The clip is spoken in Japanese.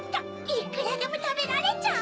いくらでもたべられちゃう。